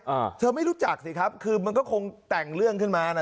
อ่าเธอไม่รู้จักสิครับคือมันก็คงแต่งเรื่องขึ้นมาน่ะ